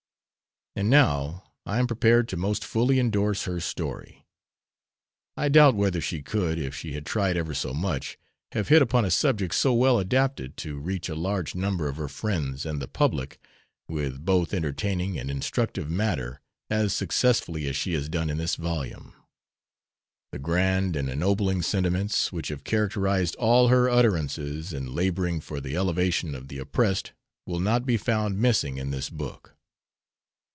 And now I am prepared to most fully indorse her story. I doubt whether she could, if she had tried ever so much, have hit upon a subject so well adapted to reach a large number of her friends and the public with both entertaining and instructive matter as successfully as she has done in this volume. The grand and ennobling sentiments which have characterized all her utterances in laboring for the elevation of the oppressed will not be found missing in this book.